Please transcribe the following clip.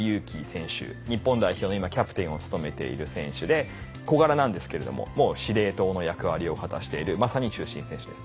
日本代表の今キャプテンを務めている選手で小柄なんですけれども司令塔の役割を果たしているまさに中心選手です。